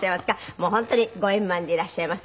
もう本当にご円満でいらっしゃいます。